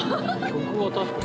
曲は確かに。